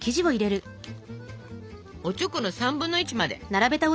おちょこの３分の１まで。